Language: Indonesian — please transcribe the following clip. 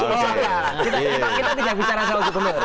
oh ya kita tidak bicara soal gubernur